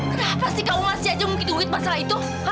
kenapa sih kamu masih aja mungkin duit masalah itu